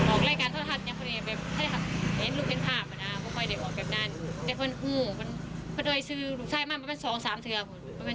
ออกรายการเทอร์ธรรณ์